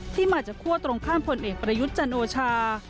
ที่มาจากคั่วตรงข้ามผลเอกประยุทธ์จันโอชา